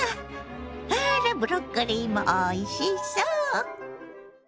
あらブロッコリーもおいしそう。